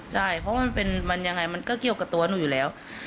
ใช่เพราะว่ามันยังไงมันก็เกี่ยวกับตัวหนูอยู่แล้ว